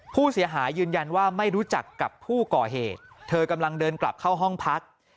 ผู้เสียหายยืนยันว่าไม่รู้จักกับผู้ก่อเหตุเธอกำลังเดินกลับเข้าห้องพัก